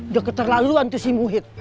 deket terlaluan tuh si muhid